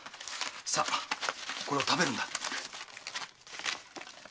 さあこれを食べるんだ。